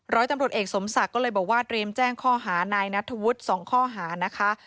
ร้อยตำรวจเอกสมศักดิ์ก็เลยบอกว่าเตรียมแจ้งข้อหานายนัทธวุฒิ๒ข้อหานะคะ